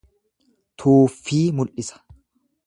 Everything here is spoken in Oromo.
Tuuffii mul'isa.